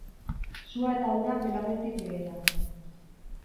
Sua eta ura belaunetik behera.